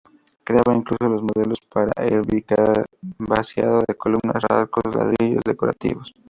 Creaba incluso los moldes para el vaciado de columnas, arcos, ladrillos decorativos.